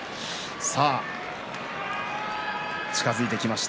さあ近づいてきました。